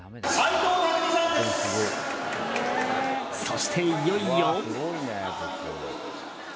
そしていよいよ。